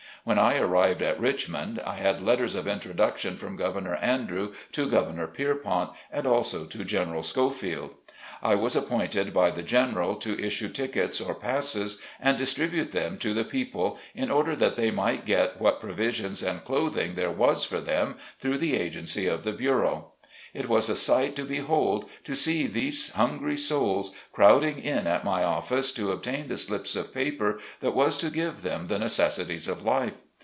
When I arrived at Richmond, I had letters of introduction from Gov ernor Andrew to Governor Pierpont, and also to General Schofield. I was appointed by the Gen eral to issue tickets or passes, and distribute them to the people, in order that they might get what pro visions and clothing there was for them through the agency of the bureau. It was a sight to behold to see these hungry souls crowding in at my office to obtain the slips of paper that was to give them the necessities of life.